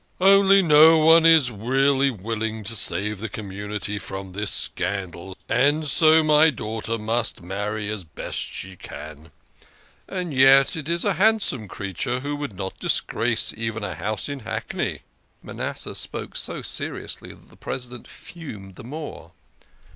Only no one is really willing to save the community from this scandal, and so my daughter must marry as best she can. And yet, it is a handsome creature who would not disgrace even a house in Hackney." Manasseh spoke so seriously that the President fumed the more.